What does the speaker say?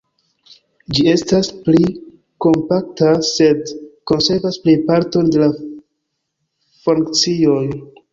Ĝi estas pli kompakta, sed konservas plejparton de la funkcioj.